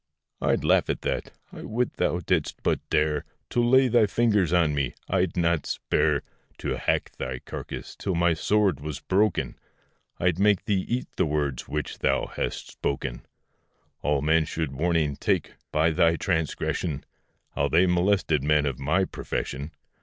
I'd laugh at that; I would thou didst but dare To lay thy fingers on me; I'd not spare To hack thy carcass till my sword was broken, I'd make thee eat the words which thou hast spoken; All men should warning take by thy transgression, How they molested men of my profession.